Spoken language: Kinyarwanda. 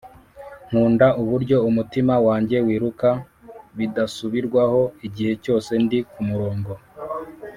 nkunda uburyo umutima wanjye wiruka bidasubirwaho igihe cyose ndi kumurongo